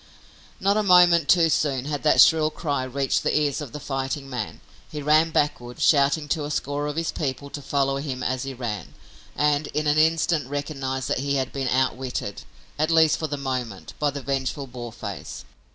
Not a moment too soon had that shrill cry reached the ears of the fighting man. He ran backward, shouting to a score of his people to follow him as he ran, and in an instant recognized that he had been outwitted, at least for the moment, by the vengeful Boarface.